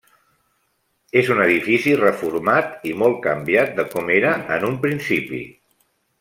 És un edifici reformat i molt canviat de com era en un principi.